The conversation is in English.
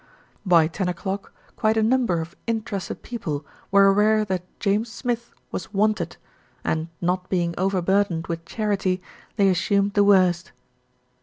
By ten o'clock quite a number of interested people 282 THE RETURN OF ALFRED were aware that James Smith was "wanted" and, not being over burdened with charity, they assumed the worst.